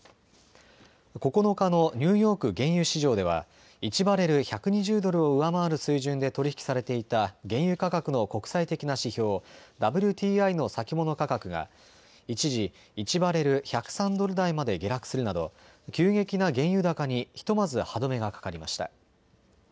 ９日のニューヨーク原油市場では１バレル１２０ドルを上回る水準で取り引きされていた原油価格の国際的な指標、ＷＴＩの先物価格が一時、１バレル１０３ドル台まで下落するなど急激な原油高にひとまず歯止めがかかりました。